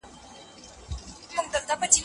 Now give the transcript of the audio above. جهاد د دښمن د ماتولو یوازینۍ وسیله ده.